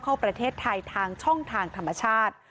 เข้าประเทศไทยทางช่องทางธรรมชาติ